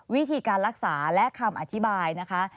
วิธีการรักษาและคำอธิบายนะคะ